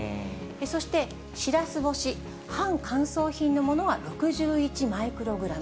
そして、シラス干し半乾燥品のものは６１マイクログラム。